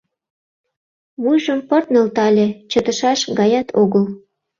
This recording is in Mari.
Вуйжым пырт нӧлтале — чытышаш гаят огыл.